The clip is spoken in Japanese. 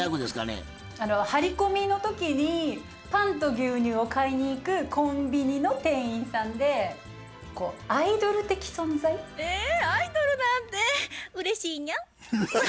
張り込みの時にパンと牛乳を買いに行くコンビニの店員さんでこうアイドル的存在？えアイドルなんてうれしいニャン。